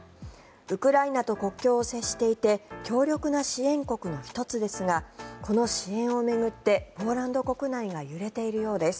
ウクライナと国境を接していて強力な支援国の１つですがこの支援を巡ってポーランド国内が揺れているようです。